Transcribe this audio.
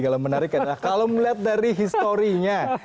kalau menarik adalah kalau melihat dari historinya